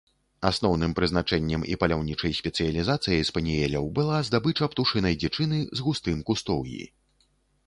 Асноўным прызначэннем і паляўнічай спецыялізацыяй спаніэляў была здабыча птушынай дзічыны з густым кустоўі.